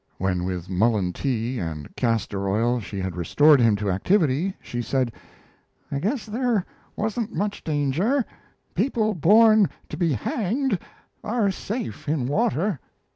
When with mullein tea and castor oil she had restored him to activity, she said: "I guess there wasn't much danger. People born to be hanged are safe in water."